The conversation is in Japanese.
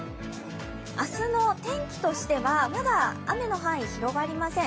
明日の天気としてはまだ雨の範囲広がりません。